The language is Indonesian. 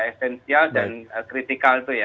esensial dan kritikal itu ya